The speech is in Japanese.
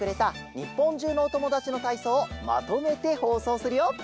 にっぽんじゅうのおともだちのたいそうをまとめてほうそうするよ。